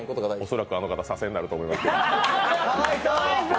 恐らく、あの方、左遷になると思います。